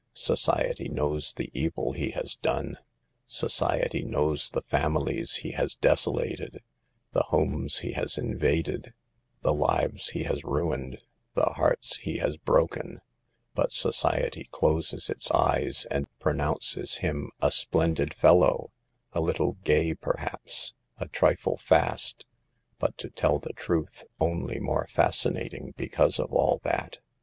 Society knows the evil he has done; society knows the families he has desolated, the homes he has invaded, the lives he has ruined, the hearts he has broken ; but society closes its eyes and pronounces him a "splendid fellow/ 5 a "little gay/' per CAUSES OF THE SOCIAL EVIL. 48 haps a "trifle fast/' but, to tell the truth, only more fascinating because of all that.